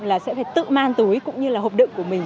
là sẽ phải tự man túi cũng như là hộp đựng của mình